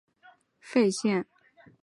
宋开宝九年罗山县废。